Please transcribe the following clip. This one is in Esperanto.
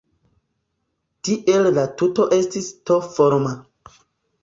Tiel la tuto estis T-forma.